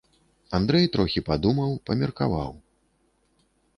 Андрэй трохі падумаў, памеркаваў.